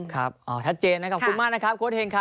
ครับอ๋อชัดเจนนะครับขอบคุณมากนะครับครับขอบคุณครับ